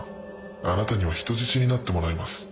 あなたには人質になってもらいます。